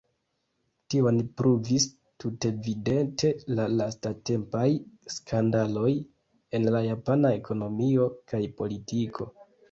Tion pruvis tutevidente la lastatempaj skandaloj en la japana ekonomio kaj politiko.